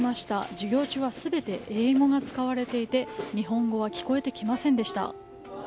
授業中は全て英語が使われていて日本語は聞こえてきませんでした。